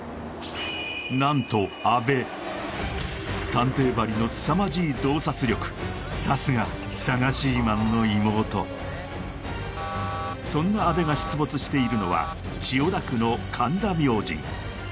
探偵ばりのさすがサガシーマンの妹そんな阿部が出没しているのは千代田区の神田明神